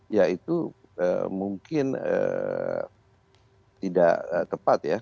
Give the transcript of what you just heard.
ya itu mungkin tidak tepat ya